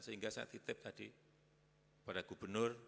sehingga saya titip hati hati pada gubernur